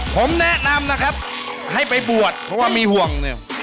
ผมแนะนำนะครับให้ไปบวชเพราะมีห่วง